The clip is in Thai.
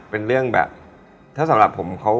เป็นเรื่องแบบ